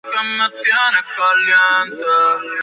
Tyner ha grabado un conjunto álbumes muy influyentes.